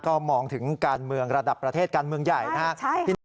ก็มองถึงการเมืองระดับประเทศการเมืองใหญ่นะครับ